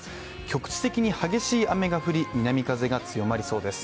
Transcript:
局地的に激しい雨が降り、南風が強まりそうです。